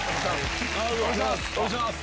お願いします